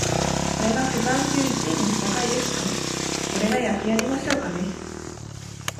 これがフェザー級一位の戦いですか？俺がやってやりましょうかね。